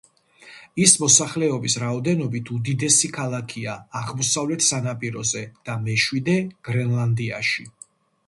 ის მოსახლეობის რაოდენობით უდიდესი ქალაქია აღმოსავლეთ სანაპიროზე და მეშვიდე გრენლანდიაში.